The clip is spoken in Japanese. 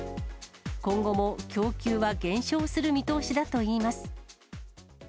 今後も供給は減少する見通しだといいます。